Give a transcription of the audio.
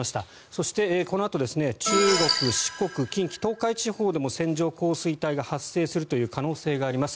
そしてこのあと中国、四国、近畿、東海地方でも線状降水帯が発生するという可能性があります。